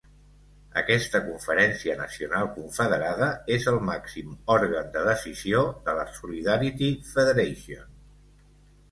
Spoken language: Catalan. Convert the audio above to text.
Aquesta conferència nacional confederada és el màxim òrgan de decisió de la Solidarity Federation.